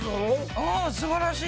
あすばらしい。